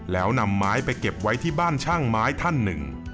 แล้วนำไม้ไปเก็บไว้ที่บ้านช่างไม้ท่านหนึ่ง